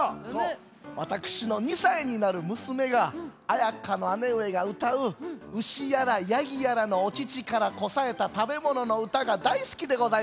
わたくしの２さいになるむすめがあやかのあねうえがうたう「ウシやらヤギやらのおちちからこさえたたべもの」のうたがだいすきでございまして。